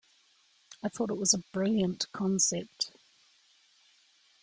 I thought it was a brilliant concept.